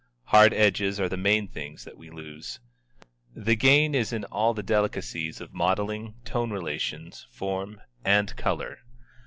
Hard edges are the main things that we lose. The gain is in all the delicacies of modelling, tone relations, form, and color.